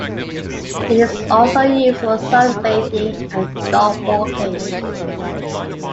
It is also used for sunbathing and dog-walking.